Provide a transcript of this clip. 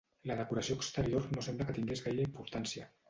La decoració exterior no sembla que tingués gaire importància.